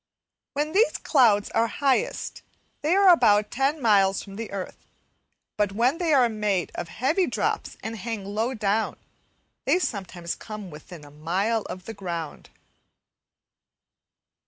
When these clouds are highest they are about ten miles from the earth, but when they are made of heavy drops and hang low down, they sometimes come within a mile of the ground.